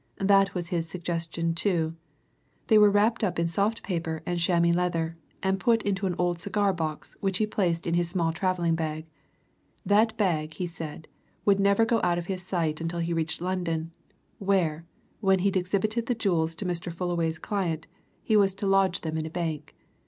"That was his suggestion, too. They were wrapped up in soft paper and chamois leather, and put into an old cigar box which he placed in his small travelling bag. That bag, he said, would never go out of his sight until he reached London, where, when he'd exhibited the jewels to Mr. Fullaway's client, he was to lodge them in a bank.